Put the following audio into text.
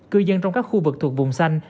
cư dân trong các khu vực thuộc vùng xanh